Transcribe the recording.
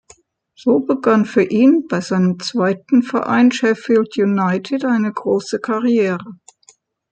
So begann für ihn bei seinem zweiten Verein Sheffield United eine große Karriere.